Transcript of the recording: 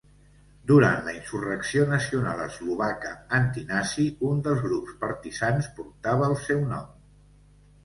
Durant la insurrecció nacional eslovaca antinazi, un dels grups partisans portava el seu nom.